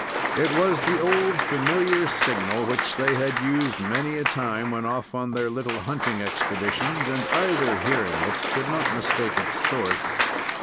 It was the old familiar signal which they had used many a time when off on their little hunting expeditions, and either, hearing it, could not mistake its source.